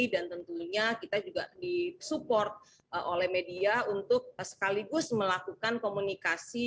dan tentunya kita juga disupport oleh media untuk sekaligus melakukan komunikasi